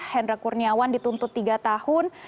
hendra kurniawan dituntut tiga tahun